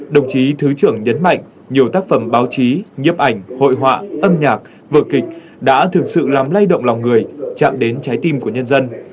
đồng chí thứ trưởng nhấn mạnh nhiều tác phẩm báo chí nhiếp ảnh hội họa âm nhạc vở kịch đã thực sự làm lay động lòng người chạm đến trái tim của nhân dân